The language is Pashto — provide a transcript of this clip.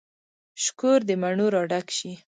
شکور د مڼو را ډک شي